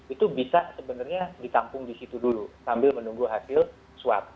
itu bisa sebenarnya ditampung di situ dulu sambil menunggu hasil swab